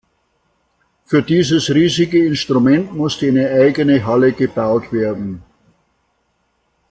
Für dieses riesige Instrument musste eine eigene Halle gebaut werden.